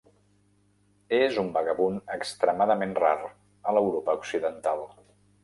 És un vagabund extremadament rar a l'Europa Occidental.